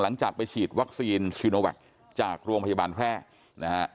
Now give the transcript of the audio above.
หลังจากไปฉีดวัคซีนซีโนแวคจากโรงพยาบาลแพร่นะฮะ